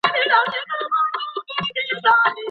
که زده کوونکی پام ونکړي نو لیکنه یې بې نظمه کیږي.